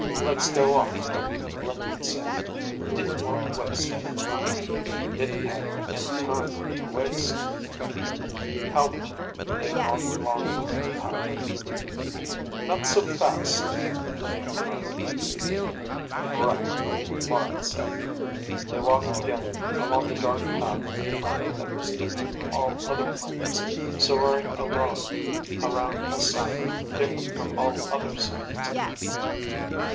"Let's get on," Lingman said. He didn't want to waste any time. He didn't have any time to waste. Helmeted, they walked along the little path. "Not so fast," Lingman murmured. "Right," Morran said. They walked together, along the dark path of the planet that was different from all other planets, soaring alone around a sun different from all other suns.